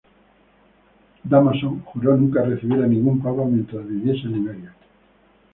Dámaso juró nunca recibir a ningún papa mientras viviese Liberio.